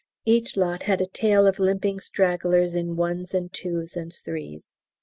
Each lot had a tail of limping stragglers in ones and twos and threes.